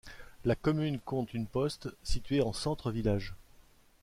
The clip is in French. La commune compte une Poste, située en centre-village.